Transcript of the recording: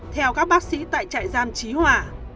theo các bác sĩ tại trại giam trí hòa